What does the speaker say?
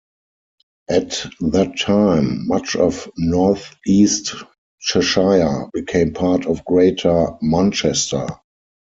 At that time, much of north east Cheshire became part of Greater Manchester.